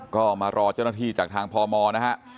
ก็มารอเจ้าหน้าที่จากทางพมนะฮะ